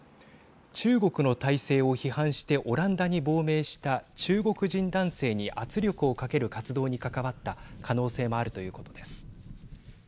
中国の体制を批判してオランダに亡命した中国人男性に圧力をかける活動に関わった可能性もあるということです。